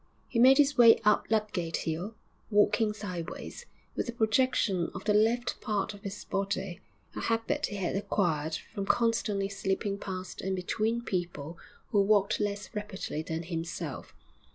He made his way up Ludgate Hill, walking sideways, with a projection of the left part of his body, a habit he had acquired from constantly slipping past and between people who walked less rapidly than himself.